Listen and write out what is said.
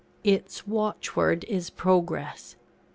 Its watchword is Progress.